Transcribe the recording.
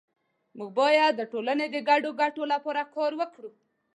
مونږ باید د ټولنې د ګډو ګټو لپاره کار وکړو